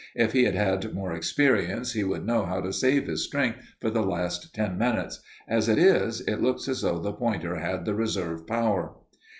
If he had had more experience he would know how to save his strength for the last ten minutes. As it is, it looks as though the pointer had the reserve power."